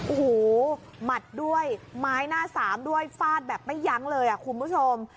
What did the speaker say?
โอ้โหหมัดด้วยไม้หน้าสามด้วยฟาดแบบไม่ยั้งเลยคุณผู้ชม